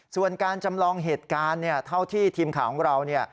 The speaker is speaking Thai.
ส่วนการจำลองเหตุการณ์เท่าที่ทีมข่าวของเรา